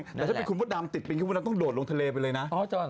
แต่ถ้าเป็นคุณพ่อดำติดเป็นคุณพ่อดำต้องโดดลงทะเลไปเลยนะ